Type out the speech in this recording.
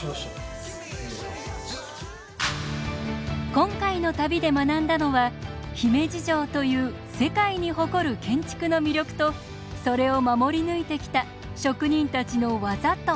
今回の旅で学んだのは姫路城という世界に誇る建築の魅力とそれを守り抜いてきた職人たちの技と思い。